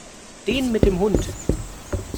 Den mit dem Hund.